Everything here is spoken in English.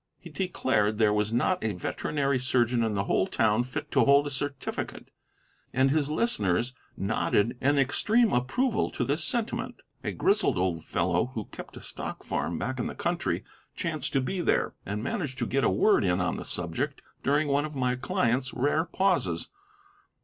He declared there was not a veterinary surgeon in the whole town fit to hold a certificate, and his listeners nodded an extreme approval to this sentiment. A grizzled old fellow who kept a stock farm back in the country chanced to be there, and managed to get a word in on the subject during one of my client's rare pauses.